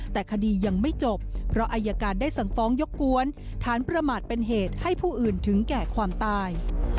แต่คดียังไม่จบเพราะอายการได้สั่งฟ้องยกกวนฐานประมาทเป็นเหตุให้ผู้อื่นถึงแก่ความตาย